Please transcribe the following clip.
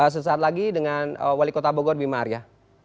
sesaat lagi dengan wali kota bogor bima arya